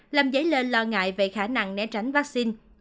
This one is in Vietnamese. làm dấy lên lo ngại về khả năng né tránh vaccine